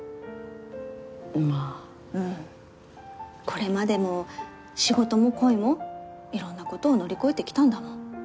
これまでも仕事も恋もいろんな事を乗り越えてきたんだもん。